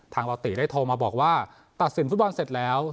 เราติได้โทรมาบอกว่าตัดสินฟุตบอลเสร็จแล้ว